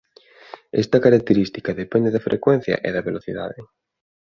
Esta característica depende da frecuencia e da velocidade.